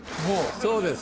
そうです。